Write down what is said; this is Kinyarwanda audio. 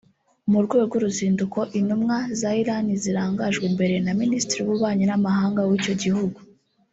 mu rwego rw’uruzinduko intumwa za Iran zirangajwe imbere na Minisitiri w’Ububanyi n’Amahanga w’icyo gihugu